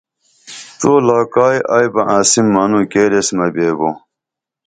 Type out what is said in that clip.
تو لاکائی ائی بہ انسیم منوں کیر ایس مہ بیبو